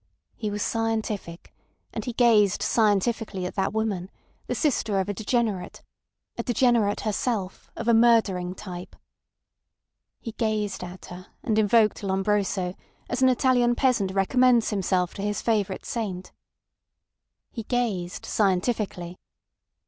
He was scientific, and he gazed scientifically at that woman, the sister of a degenerate, a degenerate herself—of a murdering type. He gazed at her, and invoked Lombroso, as an Italian peasant recommends himself to his favourite saint. He gazed scientifically.